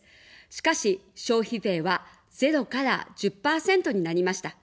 しかし、消費税は０から１０％になりました。